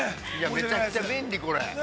◆めちゃくちゃ便利、これ。